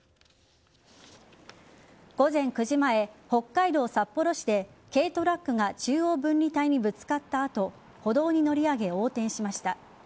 午前９時前、北海道札幌市で軽トラックが中央分離帯にぶつかった後歩道に乗り上げ、横転しました。